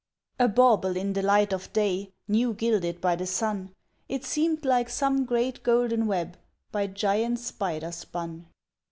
A bauble in the light of day, New gilded by the sun, It seemed like some great, golden web By giant spider spun!